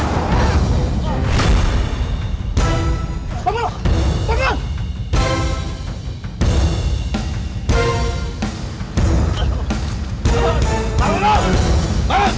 terima kasih berterimakasih